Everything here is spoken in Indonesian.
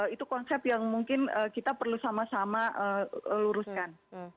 itu konsep yang mungkin kita perlu sama sama luruskan